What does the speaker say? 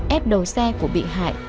êp đầu xe của bị hại